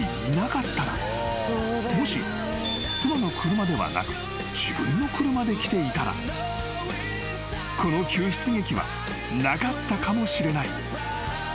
［もし妻の車ではなく自分の車で来ていたらこの救出劇はなかったかもしれない］